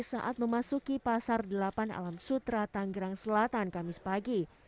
saat memasuki pasar delapan alam sutra tanggerang selatan kamis pagi